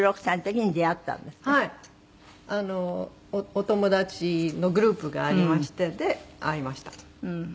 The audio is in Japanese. お友達のグループがありましてで会いました。